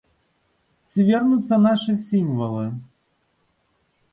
Ці вернуцца нашы сімвалы?